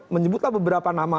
menyebutlah beberapa nama